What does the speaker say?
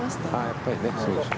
やっぱりね。